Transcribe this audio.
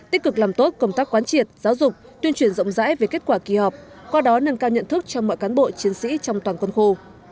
tích cực làm tốt công tác quán triệt giáo dục tuyên truyền rộng rãi về kết quả kỳ họp qua đó nâng cao nhận thức cho mọi cán bộ chiến sĩ trong toàn quân khu